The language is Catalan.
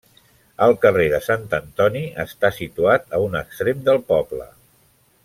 El carrer de Sant Antoni està situat a un extrem del poble.